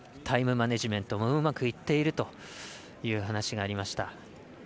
タイムマネジメントもうまくいっているという話がありました。